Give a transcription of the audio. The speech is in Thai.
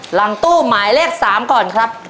หลังตู้หมายเลข๓ก่อนครับ